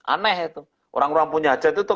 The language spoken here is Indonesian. aneh itu orang orang punya hajat itu